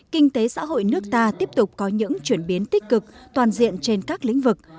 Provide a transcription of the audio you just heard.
kinh tế xã hội nước ta tiếp tục có những chuyển biến tích cực toàn diện trên các lĩnh vực